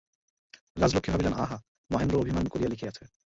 রাজলক্ষ্মী ভাবিলেন, আহা, মহেন্দ্র অভিমান করিয়া লিখিয়াছে।